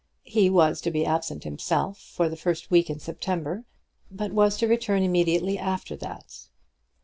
He was to be absent himself for the first week in September, but was to return immediately after that.